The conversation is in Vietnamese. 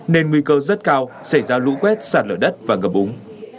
nên nguy cơ rất cao xảy ra lũ quét sạt lở đất và ngập úng